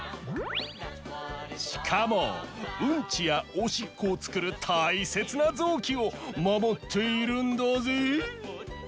しかもウンチやオシッコをつくるたいせつなぞうきをまもっているんだぜ！